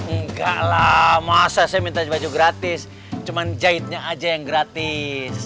enggak lah masa saya minta baju gratis cuma jahitnya aja yang gratis